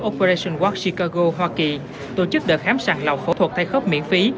operation walk chicago hoa kỳ tổ chức đợt khám sàn lọc phẫu thuật thay khớp miễn phí